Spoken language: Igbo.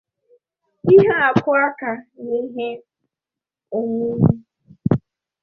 ihe akụakụ na ihe onwunwe